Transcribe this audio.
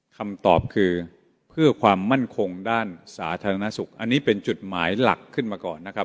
คำตอบคือเพื่อความมั่นคงด้านสาธารณสุขอันนี้เป็นจุดหมายหลักขึ้นมาก่อนนะครับ